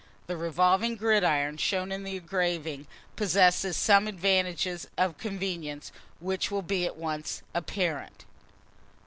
The revolving gridiron, shown in the engraving, possesses some advantages of convenience, which will be at once apparent.